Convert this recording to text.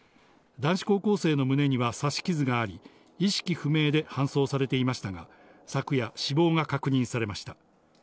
男子高校生の胸には刺し傷があり、意識不明で搬送されていましたが、昨夜、死亡が確認されました。